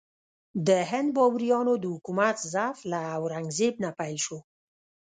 د هند بابریانو د حکومت ضعف له اورنګ زیب نه پیل شو.